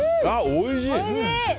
おいしい！